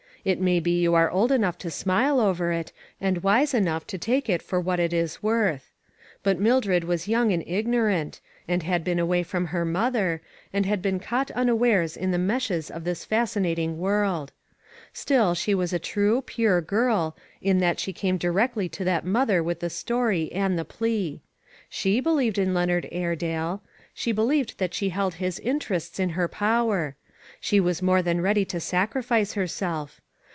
It may be you are old enough to smile over it, and wise enough to take it for what it is worth. But Mildred was young and igno rant, and had been away from her mother, and had been caught unawares in the meshes of this fascinating world. Still, she was a true, pure girl, in that she came directly to that mother with the story and the plea. She believed in Leonard Airedale. She be lieved that she held his interests in her power. She was more than ready to sacri fice herself.